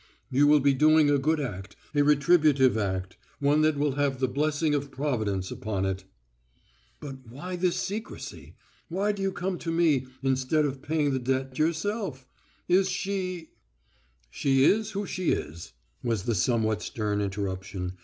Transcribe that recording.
You will be doing a good act, a retributive act; one that will have the blessing of Providence upon it." "But why this secrecy? Why do you come to me instead of paying the debt yourself? Is she——" "She is who she is," was the somewhat stern interruption.